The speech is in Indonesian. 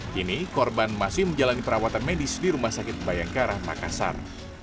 kini korban masih menjalani perawatan medis di rumah sakit bayang ke arah makassar